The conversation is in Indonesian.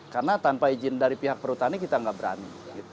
karena tanpa izin dari pihak perhutani kita nggak berani